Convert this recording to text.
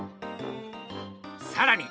さらに！